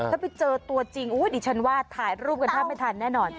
ถ้าไปเจอตัวจริงดิฉันว่าถ่ายรูปกันแทบไม่ทันแน่นอน